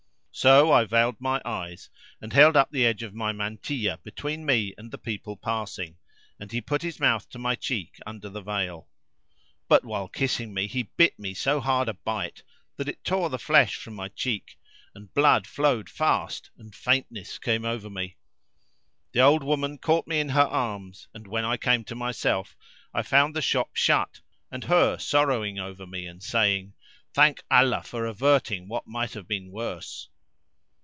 So I veiled my eyes and held up the edge of my mantilla between me and the people passing and he put his mouth to my cheek under the veil. But while kissing me he bit me so hard a bite that it tore the flesh from my cheek,[FN#345] and blood flowed fast and faintness came over me. The old woman caught me in her arms and, when I came to myself, I found the shop shut up and her sorrowing over me and saying, "Thank Allah for averting which might have been worse!"